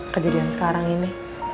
kejadian sekarang ini